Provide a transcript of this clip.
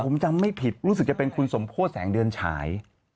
ผมจำไม่ผิดรู้สึกจะเป็นคุณสมโพธิแสงเดือนฉาย